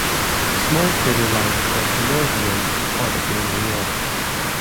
A small crater lies across the northern rim and part of the inner wall.